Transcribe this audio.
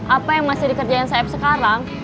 apa yang masih dikerjakan saeb sekarang